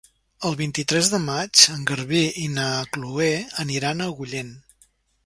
El vint-i-tres de maig en Garbí i na Chloé aniran a Agullent.